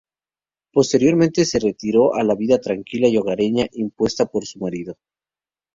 Posteriormente se retiró a la vida tranquila y hogareña impuesta por su marido.